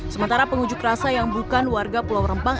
sementara pengunjuk rasa yang bukan warga pulau rempang